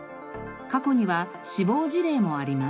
過去には死亡事例もあります。